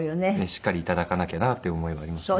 しっかり頂かなきゃなっていう思いはありますね。